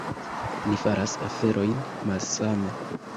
Ni faras aferojn malsame.